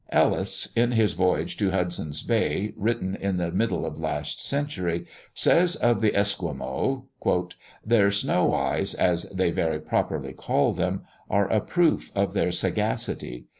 Ellis, in his Voyage to Hudson's Bay, written in the middle of last century, says of the Esquimaux: "Their snow eyes, as they very properly call them, are a proof of their sagacity.